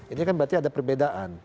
ini kan berarti ada perbedaan